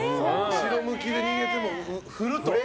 後ろ向きで逃げても振ると。